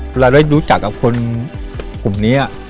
เวลาได้รู้จักกับคนกลุ่มนี้